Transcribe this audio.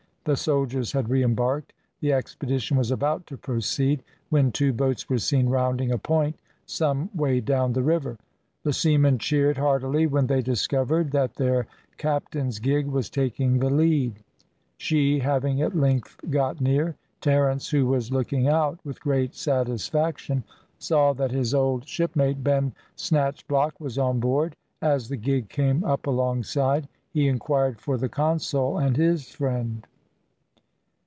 The soldiers had re embarked, the expedition was about to proceed, when two boats were seen rounding a point some way down the river. The seamen cheered heartily when they discovered that their captain's gig was taking the lead: she having at length got near, Terence, who was looking out, with great satisfaction saw that his old shipmate, Ben Snatchblock was on board; as the gig came up alongside he inquired for the consul and his friend.